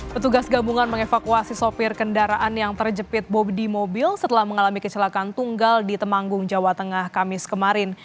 petugas gabungan mengevakuasi sopir kendaraan yang terjepit bobi mobil setelah mengalami kecelakaan tunggal di temanggung jawa tengah kamis kemarin